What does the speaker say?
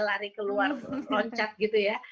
lari keluar loncat gitu ya